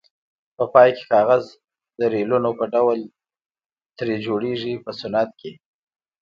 په پای کې کاغذ د ریلونو په ډول ترې جوړیږي په صنعت کې.